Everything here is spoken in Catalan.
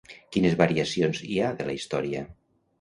Quines variacions hi ha de la història?